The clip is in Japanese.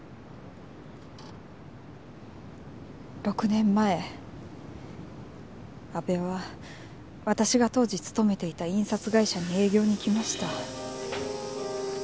６年前阿部は私が当時勤めていた印刷会社に営業に来ました。